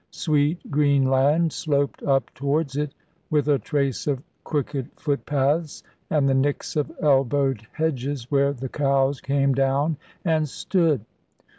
Sweet green land sloped up towards it, with a trace of crooked footpaths, and the nicks of elbowed hedges, where the cows came down and stood.